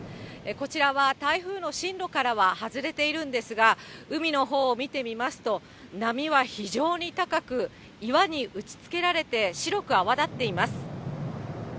こちらは台風の進路からは外れているんですが、海のほうを見てみますと、波は非常に高く、岩に打ちつけられて白く泡立っています。